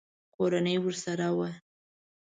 کورنۍ ورسره وه.